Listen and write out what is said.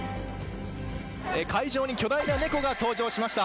会場に巨大な猫が登場しました。